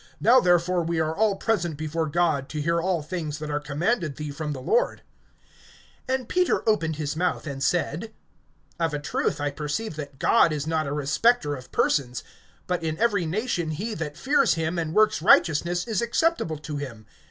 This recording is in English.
Now therefore we are all present before God, to hear all things that are commanded thee from the Lord. (34)And Peter opened his mouth, and said: Of a truth I perceive that God is not a respecter of persons; (35)but in every nation he that fears him, and works righteousness, is acceptable to him.